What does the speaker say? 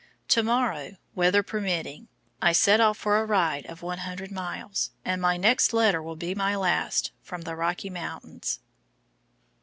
To morrow, weather permitting, I set off for a ride of 100 miles, and my next letter will be my last from the Rocky Mountains.